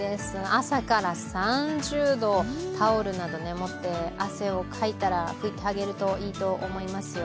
朝から３０度、タオルなど持って汗をかいたら拭いてあげるといいと思いますよ